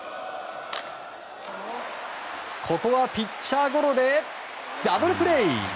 ここはピッチャーゴロでダブルプレー！